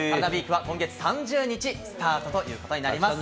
ＷＥＥＫは今月３０日スタートということになります。